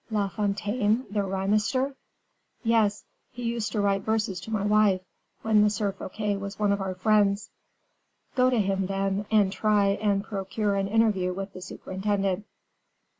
"La Fontaine, the rhymester?" "Yes; he used to write verses to my wife, when M. Fouquet was one of our friends." "Go to him, then, and try and procure an interview with the superintendent."